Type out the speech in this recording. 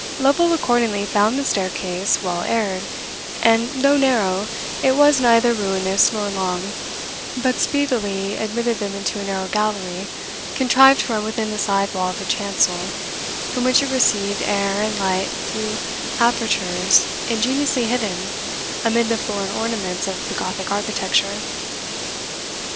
Lovel accordingly found the staircase well aired, and, though narrow, it was neither ruinous nor long, but speedily admitted them into a narrow gallery contrived to run within the side wall of the chancel, from which it received air and light through apertures ingeniously hidden amid the florid ornaments of the Gothic architecture.